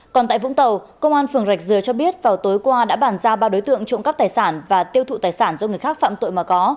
còn tại vũng tàu công an phường rạch dừa cho biết vào tối qua đã bàn ra ba đối tượng trộm cắp tài sản và tiêu thụ tài sản do người khác phạm tội mà có